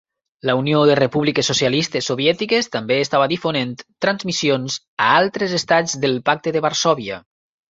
La Unió de Repúbliques Socialistes Soviètiques també estava difonent transmissions a altres estats del Pacte de Varsòvia.